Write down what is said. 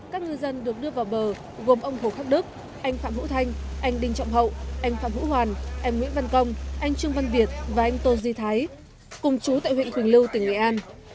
các ngư dân được đưa vào bờ gồm ông hồ khắc đức anh phạm hữu thanh anh đinh trọng hậu anh phạm hữu hoàn em nguyễn văn công anh trương văn việt và anh tô duy thái cùng chú tại huyện quỳnh lưu tỉnh nghệ an